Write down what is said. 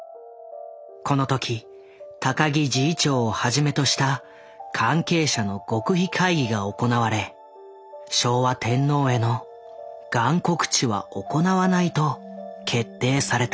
このとき高木侍医長をはじめとした関係者の極秘会議が行われ昭和天皇へのガン告知は行わないと決定された。